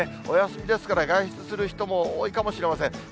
お休みですから、外出する人も多いかもしれません。